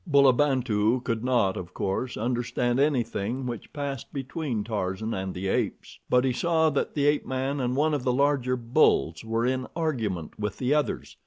Bulabantu could not, of course, understand anything which passed between Tarzan and the apes; but he saw that the ape man and one of the larger bulls were in argument with the others.